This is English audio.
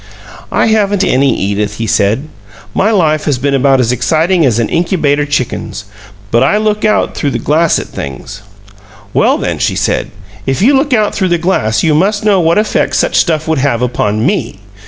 "I haven't any, Edith," he said. "My life has been about as exciting as an incubator chicken's. But I look out through the glass at things." "Well, then," she said, "if you look out through the glass you must know what effect such stuff would have upon ME!"